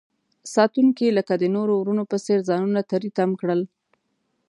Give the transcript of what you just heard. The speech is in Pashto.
ساتونکي لکه د نورو ورونو په څیر ځانونه تری تم کړل.